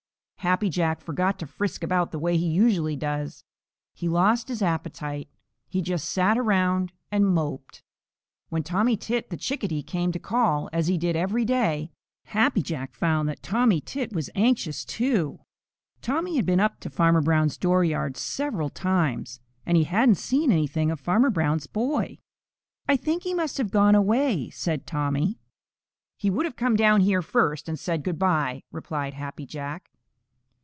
Happy Jack forgot to frisk about the way he usually does. He lost his appetite. He just sat around and moped. When Tommy Tit the Chickadee came to call, as he did every day, Happy Jack found that Tommy was anxious too. Tommy had been up to Farmer Brown's dooryard several times, and he hadn't seen anything of Farmer Brown's boy. "I think he must have gone away," said Tommy. "He would have come down here first and said good by," replied Happy Jack.